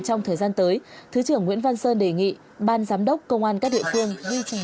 trong thời gian tới thứ trưởng nguyễn văn sơn đề nghị ban giám đốc công an các địa phương duy trì